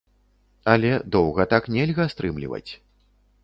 Але доўга так нельга стрымліваць.